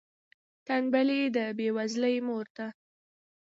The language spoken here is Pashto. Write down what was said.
تنبلي د بې وزلۍ مور ده.